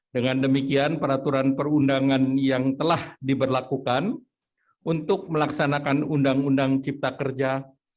dengan demikian peraturan perundangan yang telah diberlakukan untuk melaksanakan undang undang cipta kerja